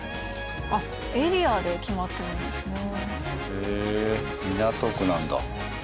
へえ港区なんだ。